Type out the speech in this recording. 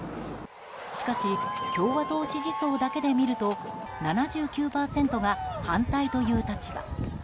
しかし共和党支持層だけで見ると７９％が反対という立場。